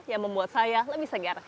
yang membuat saya lebih segar